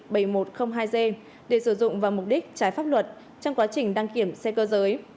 và trung tâm đăng kiểm một trăm linh hai g để sử dụng vào mục đích trái pháp luật trong quá trình đăng kiểm xe cơ giới